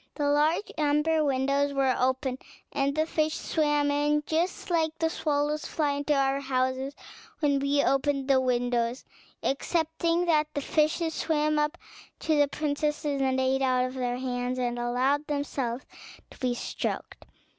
The large amber windows were open, and the fish swam in, just as the swallows fly into our houses when we open the windows, excepting that the fishes swam up to the princesses, ate out of their hands, and allowed themselves to be stroked.